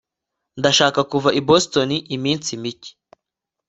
ndashaka kuva i boston iminsi mike